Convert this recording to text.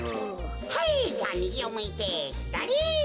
はいじゃあみぎをむいてひだり。